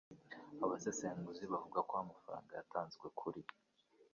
Abasesenguzi bavuga ko amafaranga yatanzwe kuri